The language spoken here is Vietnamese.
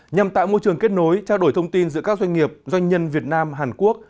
nhằm tạo môi trường kết nối trao đổi thông tin giữa các doanh nghiệp doanh nhân việt nam hàn quốc